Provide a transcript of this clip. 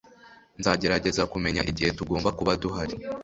Nzagerageza kumenya igihe tugomba kuba duhari